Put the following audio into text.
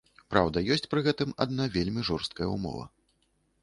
Праўда, ёсць пры гэтым адна вельмі жорсткая ўмова.